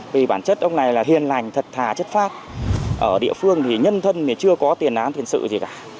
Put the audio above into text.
vì bản chất ông nguyễn đức